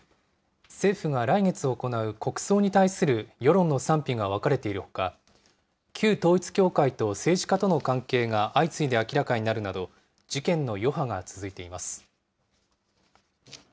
政府が来月行う国葬に対する世論の賛否が分かれているほか、旧統一教会と政治家との関係が相次いで明らかになるなど、事件の余波が続いています。